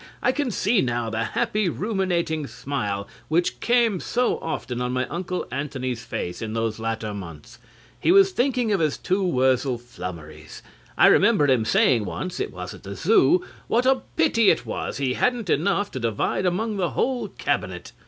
I can see now the happy ruminating smile which came so often on my Uncle Antony's face in those latter months. He was thinking of his two Wurzel Flummerys. I remember him saying once it was at the Zoo what a pity it was he hadn't enough to divide among the whole Cabinet.